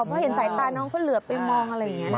เพราะเห็นสายตาน้องเขาเหลือไปมองอะไรอย่างนี้นะ